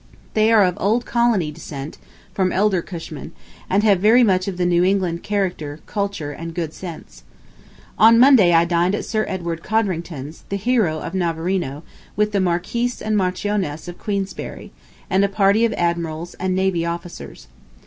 They are of Old Colony descent (from Elder Cushman), and have very much of the New England character, culture, and good sense. On Monday I dined at Sir Edward Codrington's, the hero of Navarino, with the Marquis and Marchioness of Queensberry, and a party of admirals and navy officers.